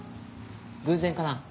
偶然かな？